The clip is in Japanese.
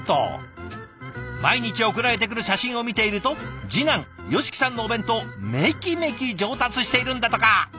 毎日送られてくる写真を見ていると次男ヨシキさんのお弁当メキメキ上達しているんだとか。